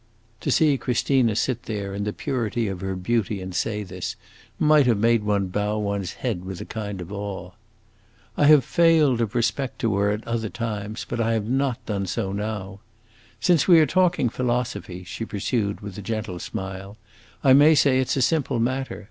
To see Christina sit there in the purity of her beauty and say this, might have made one bow one's head with a kind of awe. "I have failed of respect to her at other times, but I have not done so now. Since we are talking philosophy," she pursued with a gentle smile, "I may say it 's a simple matter!